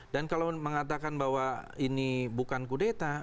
dan kalau mengatakan bahwa ini bukan kudeta